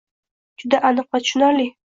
Juda aniq va tushunarli